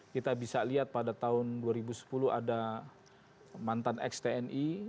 kita bisa lihat pada tahun dua ribu sepuluh ada mantan ex tni